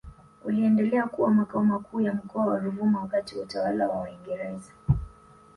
uliendelea kuwa Makao makuu ya Mkoa wa Ruvuma wakati wa utawala wa Waingereza